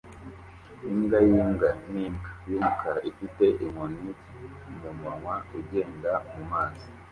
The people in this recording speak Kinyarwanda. Imbwa yimbwa nimbwa yumukara ifite inkoni mumunwa ugenda mumazi